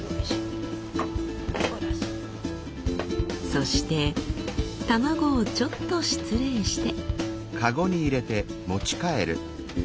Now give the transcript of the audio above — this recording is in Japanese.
そして卵をちょっと失礼して。